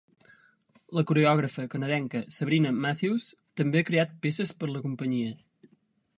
La coreògrafa canadenca Sabrina Matthews també ha creat peces per la companyia.